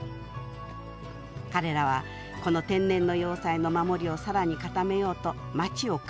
彼らはこの「天然の要塞」の守りをさらに固めようと街を改造。